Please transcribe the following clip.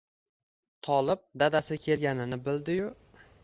Tolib dadasi kelganini bildi-yu